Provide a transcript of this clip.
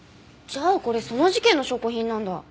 じゃあこれその事件の証拠品なんだ。